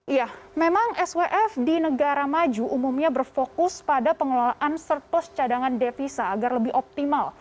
iya memang swf di negara maju umumnya berfokus pada pengelolaan surplus cadangan devisa agar lebih optimal